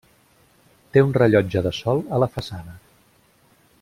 Té un rellotge de sol a la façana.